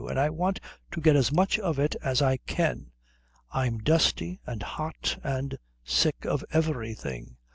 And I want to get as much of it as I can. I'm dusty and hot and sick of everything.